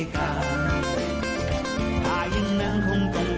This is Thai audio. จัดไปเลยคุณผู้ชม